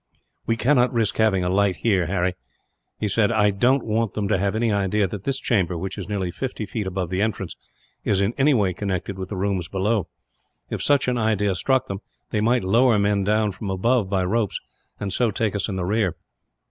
"We cannot risk having a light here, Harry," he said. "I don't want them to have any idea that this chamber, which is nearly fifty feet above the entrance, is in any way connected with the rooms below. If such an idea struck them, they might lower men from above by ropes, and so take us in the rear."